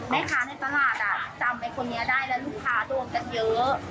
แม่ค้าในตลาดจำไว้คนนี้ได้แล้วลูกค้าโดนกันเยอะ